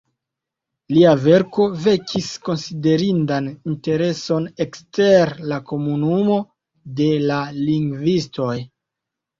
Lia verko vekis konsiderindan intereson ekster la komunumo de la lingvistoj.